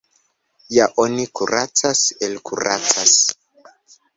Ja oni kuracas, elkuracas.